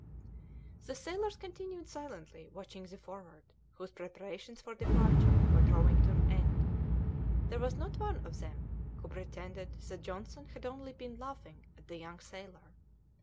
The sailors continued silently watching the Forward, whose preparations for departure were drawing to an end; there was not one of them who pretended that Johnson had only been laughing at the young sailor.